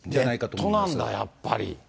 ネットなんだ、やっぱり。